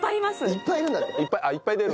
いっぱいいるんだって。